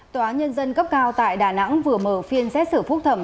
tòa nhân dân cấp cao tại đà nẵng vừa mở phiên xét xử phúc thẩm